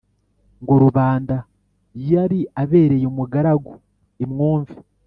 ngo rubanda yari abereye umugaragu, imwumve.